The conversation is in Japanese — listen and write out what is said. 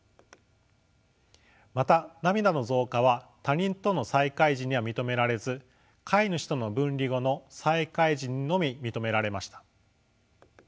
また涙の増加は他人との再会時には認められず飼い主との分離後の再会時にのみ認められました。